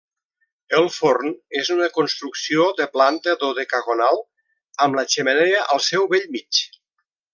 El forn és una construcció de planta dodecagonal amb la xemeneia al seu bell mig.